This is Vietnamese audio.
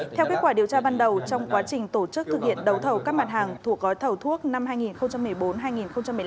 theo kết quả điều tra ban đầu trong quá trình tổ chức thực hiện đấu thầu các mặt hàng thuộc gói thầu thuốc năm hai nghìn một mươi bốn hai nghìn một mươi năm